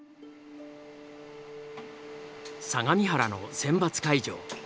相模原の選抜会場。